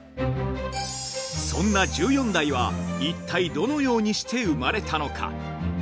そんな十四代は、一体どのようにして生まれたのか。